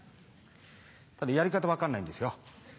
ただやり方分かんないんですよ。